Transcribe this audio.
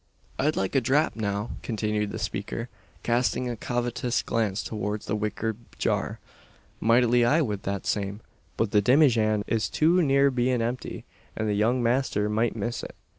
"I'd like a dhrap now," continued the speaker, casting a covetous glance towards the wickered jar; "mightily I wud that same; but the dimmyjan is too near bein' empty, an the young masther might miss it.